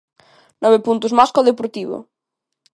Nove puntos máis que o Deportivo.